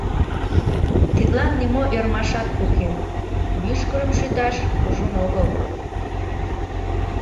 — Тидлан нимо ӧрмашат уке, мӱшкырым шӱташ кужун огыл...